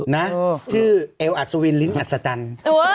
นะชื่อเอวอัศวินลิ้นอัศจรรย์